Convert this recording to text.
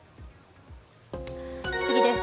次です。